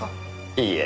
いいえ。